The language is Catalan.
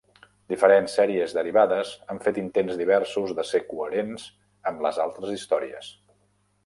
Diferents sèries derivades han fet intents diversos de ser coherents amb les altres històries.